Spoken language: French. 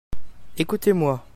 Écoutez-moi.